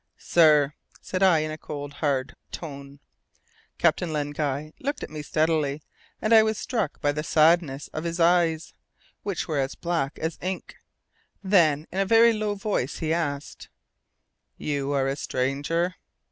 "Sir," said I in a cold hard tone. Captain Len Guy looked at me steadily, and I was struck by the sadness of his eyes, which were as black as ink. Then in a very low voice he asked: "You are a stranger?"